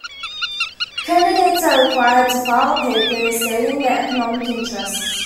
Candidates are required to file papers stating their economic interests.